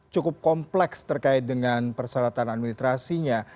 cukup kompleks terkait dengan persyaratan administrasinya